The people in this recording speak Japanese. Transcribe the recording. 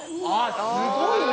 すごいな！